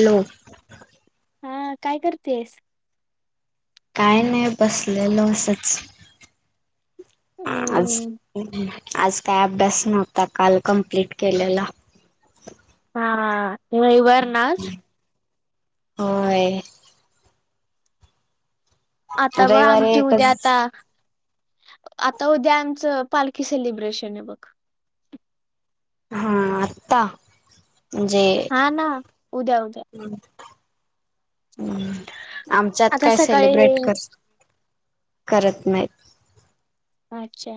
Hello. हा काय करतेस. काय नाही बसलेल असच आज. हम्म आज काय अभ्यास नव्हता काल कमप्लीट केलेला. हा हा रवीवार णा आज होय. आता ब रविवारी आमची उद्या एकच आता आता उद्या आमचं पालखी सेलिब्रेशन आहे बघ. हा आता जे हा ना. उद्या उद्या ् आमच्यात आता काय सकाळी सेलिब्रेट कर करत नाहीत अच्छा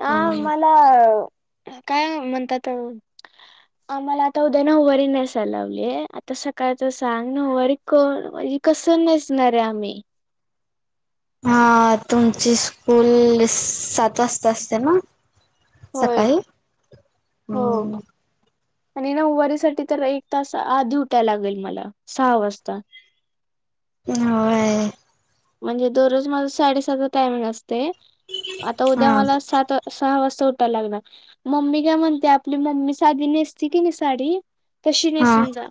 ह होय मला अ काय म्हणतात आम्हाला आता उद्या ना हवारी नसाय लावली आता सकाळच सांग ना होवारी कर म्हणज कस नेचणार आहे आम्ही हा तुमची स्कूल सात वाजता असते ना होय सकाळी हो हम्म आणि ना उवारीसाठी तर एक तास आधी उट्या लागेल मला सहा वाजता हो म्हणजे दररोज माझ साडेसातचा टायमिंग असते आता हा उद्या मला सात सहा वाजता उठायला लागणार मम्मी काय म्हणते आपली मम्मी साधी नेसती की नाही साडी तशी हा नेसून जा.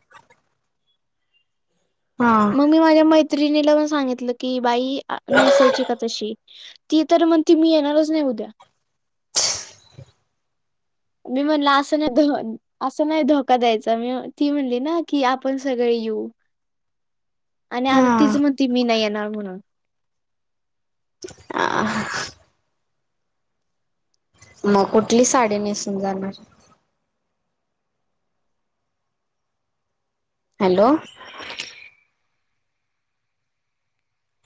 हा. मग मी माझ्या मैत्रिणी लावून सांगितलं की बाई नेसायची का तशी ती तर मग ती मी येणारच नाही उद्या. मी म्हणला अस नाही धन असं नाही धोका द्यायचा मी ती म्हणली ना की आपण सगळे येऊ आणि आता हा तिचं म्हणती मी नाही येणार म्हणून आ मग कुठली साडी नेसून जाणार हॅलो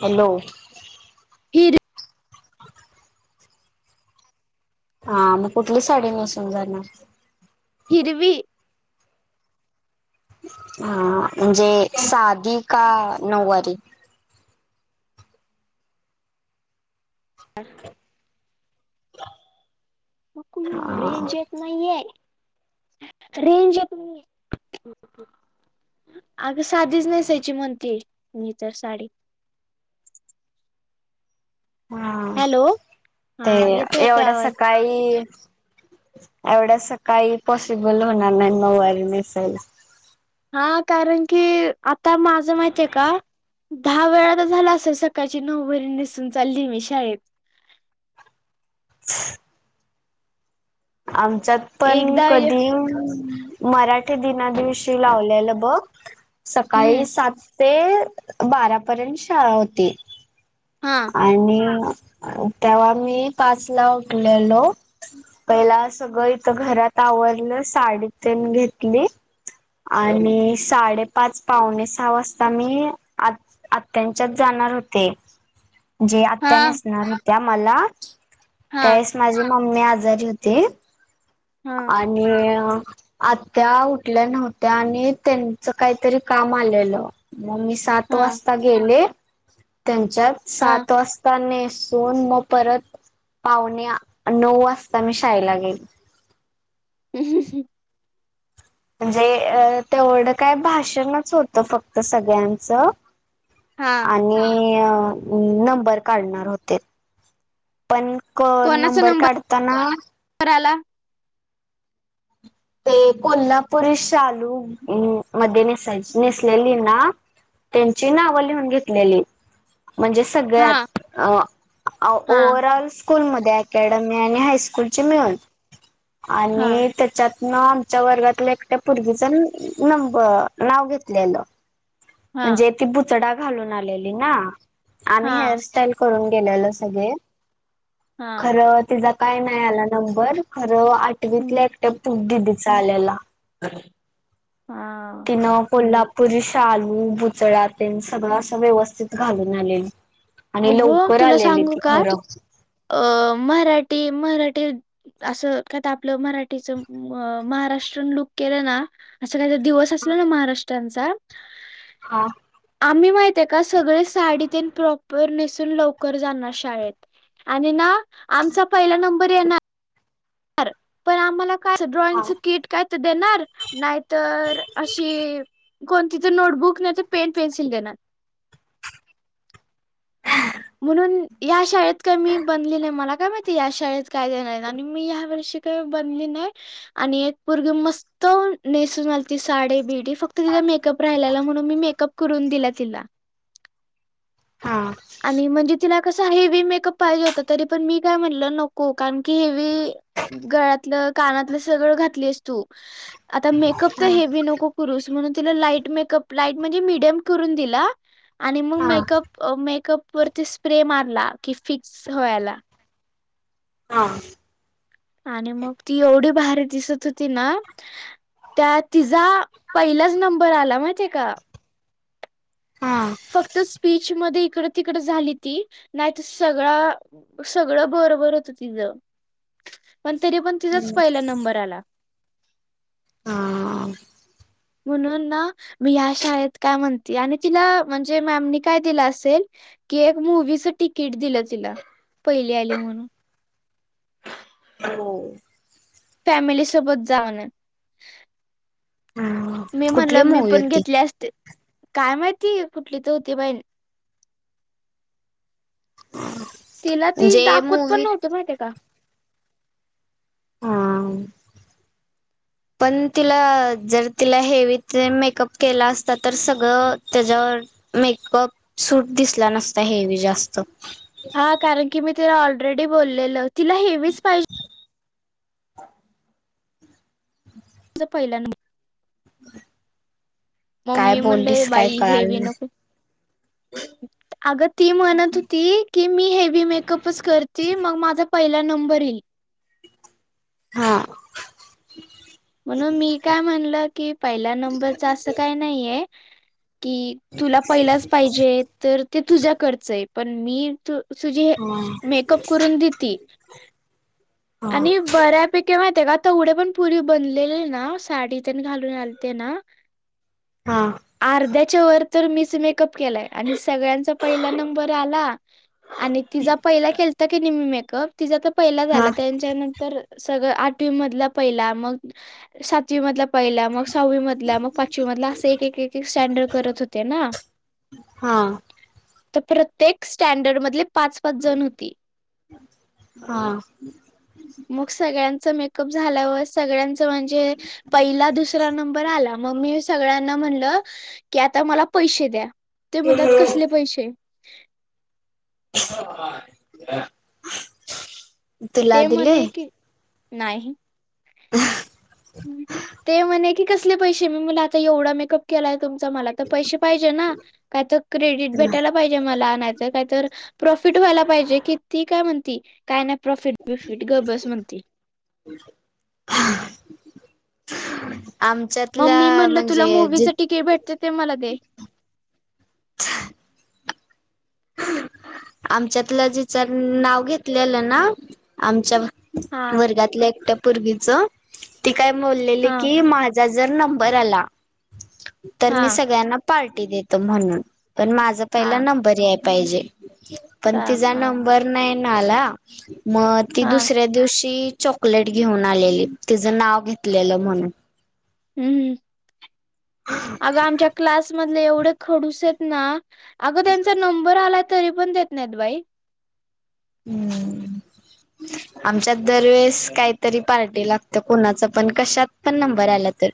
हॅलो फथीर हा मग कुठली साडी नेसून जाणार हिरवी ह म्हणजे साधी का नऊवारी ब हा मकूरेंज आहेत नाहीे रेंज त अगं साधीच नेसायची म्हणते मी तर साडी हा हॅलो हा ते येतो येतोय एवढं आवाज सकाळी एवढ्यास काही पॉसिबल होणार नाही नवारी नेसायला हा कारण की आता माझं माहितीय का दहा वेळा तर झाला असेल सकाळची नऊ व निसून चालली मी शाळेत ह् आमच्यात पण एकदा कधी मराठी. दिना दिवशी लावल्या बघ हम्म सकाळी सात. ते बारापर्यंत शाळा होती. हा. आणि तेव्हा मी पाच ला उठलेलो. पहिला सगळं इथ घरात आवरलं साडी तन घेतली आणि साडेपाच पाहणे सहा वाजता मी आत आत्यांच्यात जाणार होते जे आत्या हा नेसणार होत्या मला हा त्यावेळेस माझी मम्मी आजारी होते हा. आणि आत्या उठल्या नव्हत्या आणि त्यांच काहीतरी काम आलेलं म मी स सात हा वाजता गेले त्यांच्यात हा सात वास नसून मग परत पाहुणे नऊ वाजता मी शाळेला गेली. [unintelligible] म्हणजे तेवढं काय भाषणच होतं फक्त सगळ्यांचं हा. आणि अ नंबर काढणार होते. पण क नंबर काढताना कराला. ते कोल्हापुरी शालू मध्ये नेसायची नेसलेली ना त्यांची नावं लिहून घेतलेली म्हणजे स हा सगळ्यात हा ओवरऑल स्कूल मध्ये अकडमी आणि हायस्कूल मिळून हा आणि त्याच्यात न आमच्या वर्गातील एकट्या पोर्गीच नंब नाव घेतलेलं. हा म्हणजे ती बुचडा घालून आलेली ना आमी हेअर हा स्टाईल करून गेलेले सगळे हा खर तिचा काय नाही आला नंबर खरं आठवीतल्या एकट्या दिदीचा आलेला. हा तीन कोल्हा पुरी शालू बुचडा ते सगळं अस व्यवस्थित घालून आलेली. आणि अगो लवकर तुला आलेली सांगू ती का खरं. अ मराठी मराठी असं काय आपलं मराठीच महाराष्ट्रन लुक केलं ना असा काही दिवस असला ना महाराष्ट्रांचा हा. आम्ही माहितये का सगळे साडीतीन प्रॉ वर नेसून लवकर जानार शाळेत आणि ना आमचा पहिला नंबर ये र पण आम्हाला काय हा ड्रॉइंगचं किट त्यात देणार नाहीतर अशी कोणतीच नोटबुक नाही तर पेन पेन्सिल देणार. म्हणून या शाळेत काय मी बनले नाही मला काय माहिती या शाळेत काय देणार आणि मी ह्या वर्षी बनली नाही आणि एक पोरगी मस्त नेसून आलती साडी बिडी. फक्त तिचं मेकअप राहिलाला म्हणून मी मेकअप करून दिला तिला. हा. आणि म्हणजे तिला कस हेवी मेकअप पाहिजे होता तरी पण मी काय म्हटलं नको कारण की हेवी गळ्यातलं कानातलं सगळं घातली असतू आता मेकअप त हा हेवी नको करूस म्हणून तिला लाईट मेकअप लाईट म्हणजे मिडीयम करून दिला आणि मग मेकअप हा मेकअप वरती स्प्रे मारला की फिक्स व्हायला. हा. आणि मग ती एवढी भारी दिसत होती ना त्या तिजा पहिलाच नंबर आला माहितये का. हा. फक्त स्पीच मध्ये इकड तिकड झाली ती नाहीत सगळा सगळं बरोबर होत तिच पण तरी पण तिचाच पहिला नंबर आला. हा. म्हणून ना मी ह्या शाळेत काय म्हणते आणि तिला म्हणजे मॅमनी काय दिलं असेल कि एक मूवीच तिकीट दिलं तिला. पहिली आली म्हणून हो. फॅमिली सोबत जा म्हनून. हा मी म्हणल कुठली मी मूवी पण होती? घेतले असते. काय माहिती कुठली तर होती तिला ती म्हणजे दाखवत पण मूवी नव्हत. माहितीय का? हा. पण तिला जर तिला हेवी ते मेकअप केला असता तर सगळं तेज्यावर मेकअप सूट दिसला नसता. हेवी जास्त हा कारण की मी तिला ऑलरेडी बोललेल. तिला हेवीच पाहिजे [unintelligible] [unintelligible] पहिला म काय मी म्हणल ये बोललीस काय बाई कळाल हेवी नाही नको. अग ती म्हणत होती की मी हेवी मेकअप [unintelligible] करती मग माझा पहिला नंबर येईल. हा. म्हणून मी काय म्हणलं की पहिला नंबरच असं काय नाहीये. की तुला पहिलाच पाहिजे तर ते तुझ्याकडचं ये. पण मी तू तुझी हे हा मेकअप करून देती आणि बऱ्यापैकी माहितिये का? तेवढ्या पण पुरी बनलेले ना. साडी तेन घालून आलते ना हा. अर्ध्याच्या वर तर मीच मेकअप केलाय आणि सगळ्यांचा पहिला नंबर आला. आणि तिचा पहिला केलता किनी मी मेकअप तिजा तर पहिला हा आला. त्यांच्यानंतर सगळं आठवी मधला पहिला मग सातवी मधला पहिला, मग सहावी मधला, मग पाचवी मधला, असे एक-एक स्टँडर्ड करत होते ना. हा. तर प्रत्येक स्टँडर्ड मधले पाच-पाच जण होती. हा मग सगळ्यांच मेकअप झाल्यावर. सागळ्यान म्हन जे पहिला, दुसरा नंबर आला. मग मी सगळ्यांना म्हणल, की आता मला पैसे द्या. ते म्हणतात कसले पैसे? [unintelligible] ते दिले म्हणे की नाही. ते म्हणे की कसले पैसे? मी म्हणलं आता एवढा मेकअप केलाय तुमचा. मला तर पैसे पाहिजे ना? काय तर क्रेडिट भेटायला पाहिजे मला. नाही तर काहीतर प्रॉफिट व्हायला पाहिजे. कि ती काय म्हणती काय नाही प्रॉफिट बफिट. ग बस म्हणती. आम मग मी म्हणलं, तुला मूवीच टीके भेटते ते मला दे. आमच्यातलं जेच नाव घेतलेलं ना. आमच्या हा वर्गातल्या एकट्या पूरगीच. ती काय बोललेली हा की माझ जा जर नंबर आला, तर मी हा सगळ्यांना पार्टी देतो म्हणून. पण, माझा पहिला हा नंबर याय पाहिजे. पण का तिचा हा नंबर नाही ना आला. मग ती हा दुसऱ्या दिवशी चॉकलेट घेऊन आलेली. तिचं नाव घेतलेलं म्हणून हम हम. अग आमच्या क्लास मधले एवढे खडूस आहेत ना अगं त्यांचा नंबर आलाय तरी पण देत नाहीत बाई. हम्म. आमच्यात दरवेेळेस काहीतरी पार्टी लागत्या. कोणाच पण, कशात पण नंबर आला तर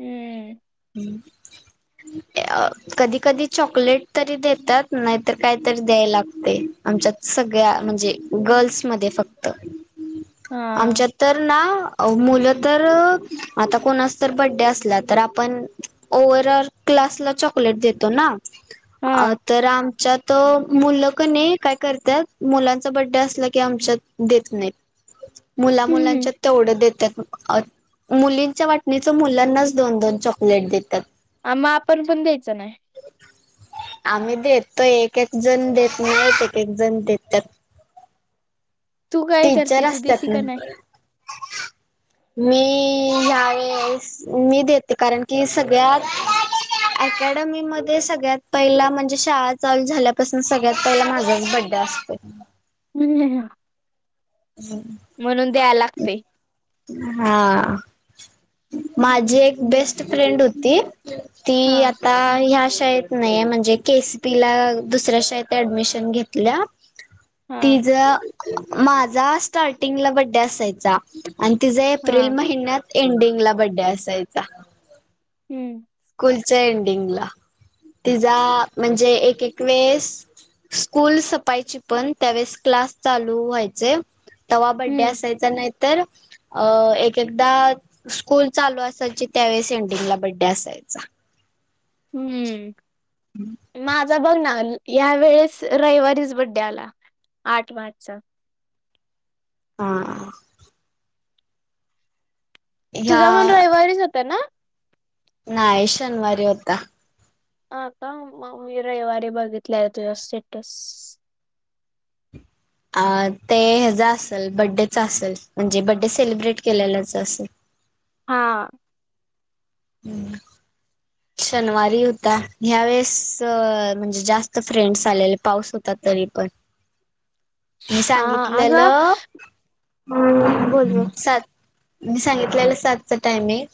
हम्म. हम् अ कधी कधी चॉकलेट तरी देतात नाहीतर कायतरी द्याय लागतय आमच्यात सगळ्या म्हणजे गर्ल्समध्ये फक्त [inaudible] आमच्यात तर ना मुलं तर आता कोणाचा तर बड्डे असला तर आपण ओव्हरऑल क्लासला चॉकलेट देतो ना अ हा तर आमच्यात मुलं कणी काय करत्यात मुलांचा बड्डे असला की आमच्यात देत नाही मुला हम्म मुलांच्यात तेवढं देतात मुलींच्या वाटणीच मुलांनाच दोन दोन चॉकलेट देतात आ म आपण पण द्यायचं नाही आम्ही देतोय एक एक जण देत नाहीत एक एक जण देत्यात तू काय करती? टीचर तू असतात देती ना काय नाही? मी ह्या वेळेस मी देते कारण की सगळ्यात अकॅडमी मध्ये सगळ्यात पहिला म्हणजे शाळा चालू झाल्यापासून सगळ्यात पहिला माझाच बड्डे असतोय हम् हम् म्हणून द्यायला लागतंय. हा माझी एक बेस्ट फ्रेंड होती ती हा आता आता ह्या शाळेत नाही म्हणजे केसीपी ला दुसऱ्या शाळेत ऍडमिशन घेतल्या हा तिज माझा स्टार्टिंगला बड्डे असायचा. आणि तिचा हा एप्रिल महिन्यात एंडिंगला बड्डे असायचा हम्म कुलच्या एंडिंगला तिचा म्हणजे एक एक वेळेस स्कूल सपायची पण त्यावेळेस क्लास चालू व्हायचे तवा बड्डे हम्म असायचा नाही तर अ एक एकदा स्कूल चालू असायची त्यावेळेस एंडिंग ला बड्डे असायचा. हम्म म बघ ना या वेळेस रविवारीच बड्डे आला आठ मार्चचा हा ह्या तुझा पण रविवारीच होता ना नाही शनिवारी होता हा का मी रविवारी बघितले आहे तुझं स्टेटस अ ते ह्याचा असंल बड्डेच असंल म्हणजे बड्डे सेलिब्रेट केलेल्याचं असेल. हा हम्म शनिवारी होता ह्या वेळेस म्हणजे जास्त फ्रेंड्स आलेले पाऊस होता तरी पण [inaudible] मी हा अगं सांगितलेलं बोल बोल स मी सांगितलेलं सातचं टायमिंग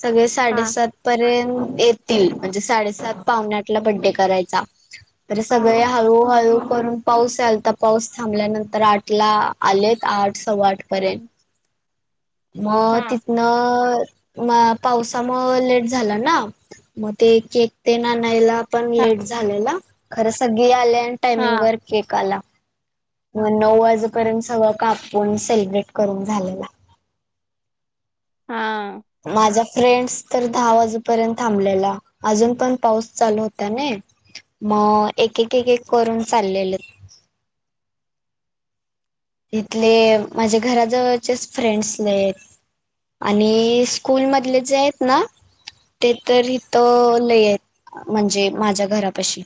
सगळे हा साडेसात पर्यंत येत तील म्हणजे साडे सात पावणे आठला बड्डे करायचा तर हा सगळ्या हळूहळू करून पाऊस यालता पाऊस थांबल्यानंतर आठला आलेत आठ सव्वा आठ परेंत हा. मग तिथून न म पावसामुळं लेट झाला ना मग ते केक तेन आणायला पण लेट झालेला खरं सगळे आले अन टाइमिंग हा वर केक आला मग नऊ वाजेपर्यंत सगळं कापून सेलिब्रेट करून झालेला. हा माझ्या फ्रेंड्स तर दहा वाजेपर्यंत थांबलेला अजून पण पाऊस चालू होता नाही? मग एक एक एक एक करून चाललेले. ईथले माझे घराजवळचेच फ्रेंड्स लय आहेत. आणि स्कूल मधले जे आहेत ना? ते तर इथं लय आहेत. म्हणजे माझ्या घरापाशी.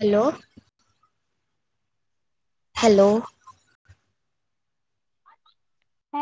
हॅलो. हॅलो. ह.